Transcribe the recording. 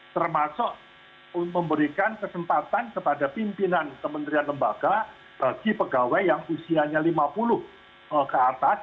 termasuk memberikan kesempatan kepada pimpinan kementerian lembaga bagi pegawai yang usianya lima puluh ke atas